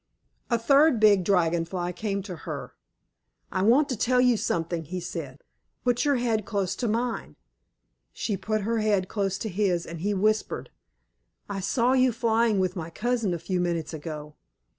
A third Big Dragon Fly came up to her. "I want to tell you something," he said. "Put your head close to mine." She put her head close to his, and he whispered, "I saw you flying with my cousin a few minutes ago.